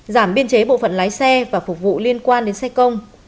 giảm biên chế bộ phận lái xe và phục vụ liên quan đến xe công